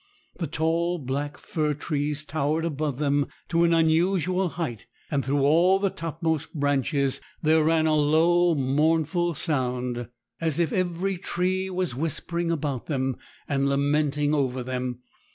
The tall black fir trees towered above them to an unusual height; and through all the topmost branches there ran a low, mournful sound, as if every tree was whispering about them, and lamenting over them.